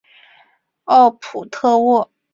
奥普特沃。